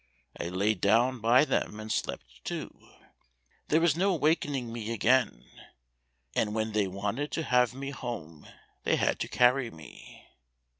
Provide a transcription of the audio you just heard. I lay down by them and slept too. There was no wakening me again, and when they wanted to have me home, they had to carry me."